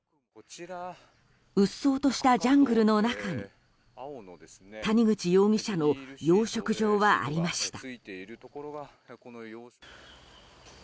うっそうとしたジャングルの中に谷口容疑者の養殖場はありました。